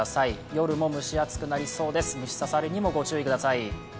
夜も蒸し暑くなりそうです、虫刺されにもご注意ください。